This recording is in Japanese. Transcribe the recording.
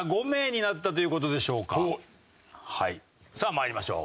はいさあ参りましょう。